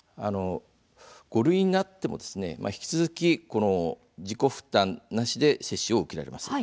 ５類になっても引き続き自己負担なしで接種を受けられます。